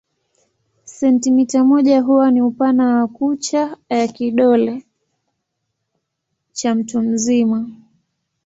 Sentimita moja huwa ni upana wa kucha ya kidole cha mtu mzima.